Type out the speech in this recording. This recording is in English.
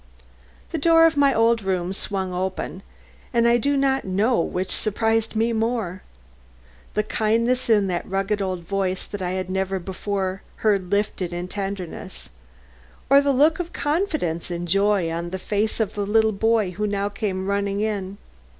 The door of my old room swung open and I do not know which surprised me most, the kindness in the rugged old voice I had never before heard lifted in tenderness, or the look of confidence and joy on the face of the little boy who now came running in.